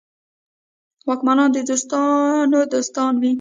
واکمنان د دوستانو دوستان وي.